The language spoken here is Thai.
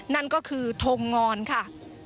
นั่นก็คือทงงอนค่ะ